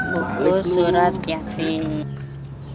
buku surat ya sih